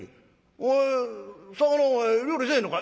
お前魚料理せえへんのか？」。